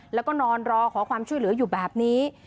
แล้วก็นอนรอขอความช่วยเหลืออยู่แบบนี้